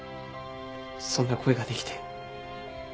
そんな恋ができて。